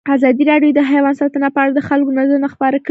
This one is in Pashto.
ازادي راډیو د حیوان ساتنه په اړه د خلکو نظرونه خپاره کړي.